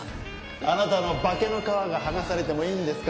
あなたの化けの皮が剥がされてもいいんですか？